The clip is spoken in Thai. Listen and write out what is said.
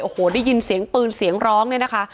โอ้โหได้ยินเสียงปืนเสียงร้องเนี่ยนะคะ